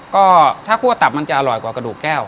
ก็ถ้าคั่วตับมันจะอร่อยกว่ากระดูกแก้ว